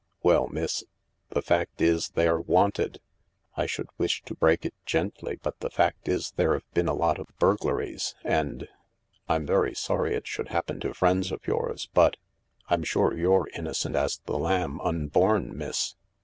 " Well, miss, the fact is they're wanted. I should wish to break it gently, but the fact is there 've been a lot of burglaries, and — I'm very sorry it should happen to friends of yours— but I'm sure you're innocent as the lamb unborn, miss."